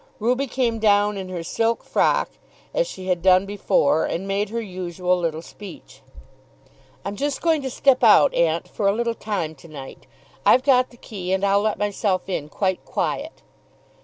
Ruby came down in her silk frock, as she had done before, and made her usual little speech. "I'm just going to step out, aunt, for a little time to night. I've got the key, and I'll let myself in quite quiet."